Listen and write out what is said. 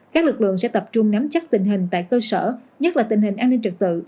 các lực lượng sẽ tập trung nắm chắc tình hình tại cơ sở nhất là tình hình an ninh trực tự